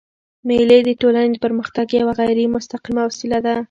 مېلې د ټولني د پرمختګ یوه غیري مستقیمه وسیله ده.